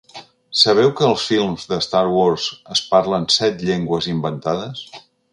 Sabeu que als films de ‘Star Wars’ es parlen set llengües inventades?